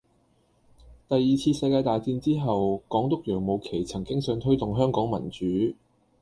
第二次世界大戰之後，港督楊慕琦曾經想推動香港民主